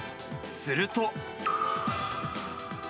すると。